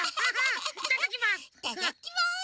いただきます！